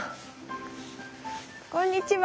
こんにちは。